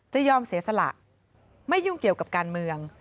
จะยอมเสียสละไม่ยุ่งเกี่ยวกับการเมือง